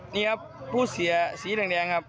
นี่ครับผู้เสียสีแดงครับ